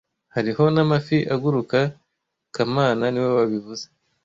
Hariho n'amafi aguruka kamana niwe wabivuze